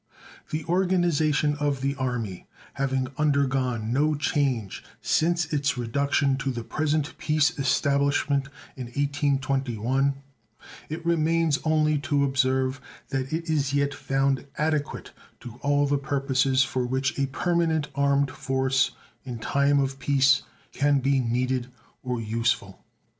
The organization of the Army having undergone no change since its reduction to the present peace establishment in 1821, it remains only to observe that it is yet found adequate to all the purposes for which a permanent armed force in time of peace can be needed or useful.